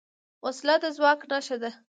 وسله د ځواک نښه ده